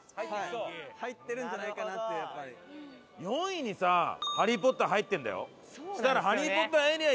４位にさハリー・ポッター入ってるんだよ。